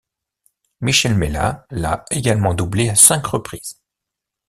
Michel Mella l'a également doublé à cinq reprises.